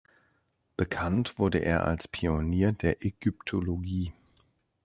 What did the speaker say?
Bekannt wurde er als Pionier der Ägyptologie.